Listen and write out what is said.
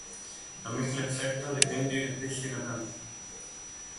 La mezcla exacta depende de la especie de la planta.